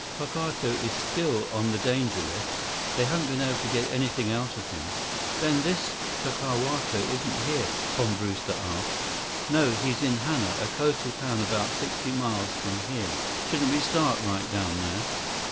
"Tokawto is still on the danger list. They haven't been able to get anything out of him." "Then this Tokawto isn't here?" Tom Brewster asked. "No. He's in Hana, a coastal town about sixty miles from here." "Shouldn't we start right down there?"